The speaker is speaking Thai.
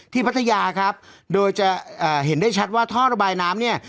พัทยาครับโดยจะเห็นได้ชัดว่าท่อระบายน้ำเนี่ย